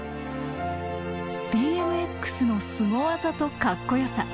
ＢＭＸのスゴ技とカッコよさ。